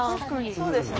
そうですね。